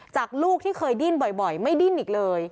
จากลูกที่เคยดินบ่อยบ่อยไม่ดินอีกเลย